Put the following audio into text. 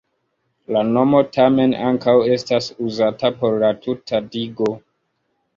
La nomo tamen ankaŭ estas uzata por la tuta digo.